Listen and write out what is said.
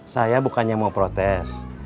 saya bukannya mau protes